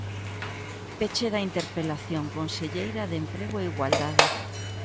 Peche da interpelación, conselleira de Emprego e Igualdade.